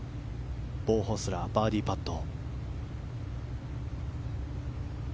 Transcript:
ボウ・ホスラーバーディーパット。